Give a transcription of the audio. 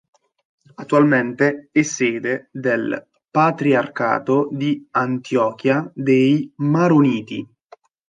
Attualmente è sede del Patriarcato di Antiochia dei Maroniti.